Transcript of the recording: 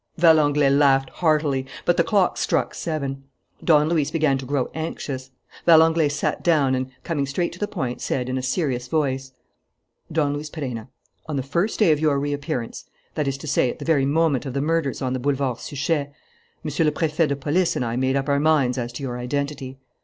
Valenglay laughed heartily; but the clock struck seven. Don Luis began to grow anxious. Valenglay sat down and, coming straight to the point, said, in a serious voice: "Don Luis Perenna, on the first day of your reappearance that is to say, at the very moment of the murders on the Boulevard Suchet Monsieur le Préfet de Police and I made up our minds as to your identity.